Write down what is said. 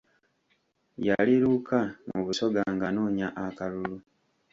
Yali Luuka mu Busoga ng’anoonya akalulu.